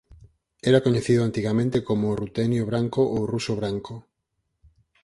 Era coñecido antigamente como "rutenio branco" ou "ruso branco".